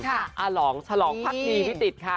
อาหลองฉลองภาคดีพิติฯค่ะ